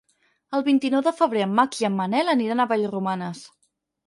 El vint-i-nou de febrer en Max i en Manel aniran a Vallromanes.